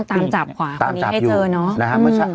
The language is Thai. ตามจับขวาคนนี้ให้เจอเนาะ